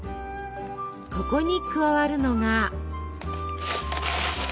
ここに加わるのが。